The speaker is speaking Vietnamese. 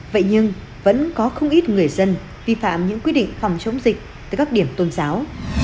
vậy nhưng vẫn có không ít người dân vi phạm những quy định phòng chống dịch tại các điểm tôn giáo